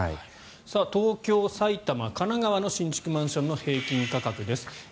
東京、埼玉、神奈川の新築マンションの平均価格です。